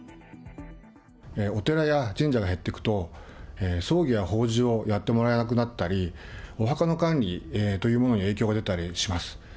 お寺や神社が減っていくと、葬儀や法事をやってもらえなくなったり、お墓の管理というものに影響が出たりします。